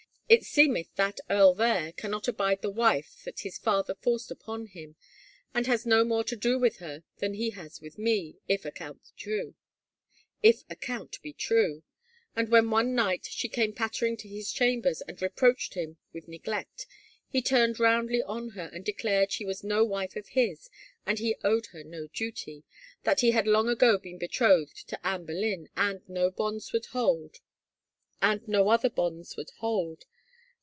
It seemeth that earl there cannot abide the wife that his father fofced upon him and has no more to do with her than he has with me, if account be truel And when one night she came pattering to his chambers and reproached him with neglect, he turned roundly on her and declared she was no wife of his and he owed her no duty, that he had long ago been betrothed to Anne Boleyn and no other bonds would hold.